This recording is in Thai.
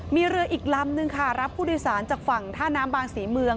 มีเรืออีกลำนึงค่ะรับผู้โดยสารจากฝั่งท่าน้ำบางศรีเมือง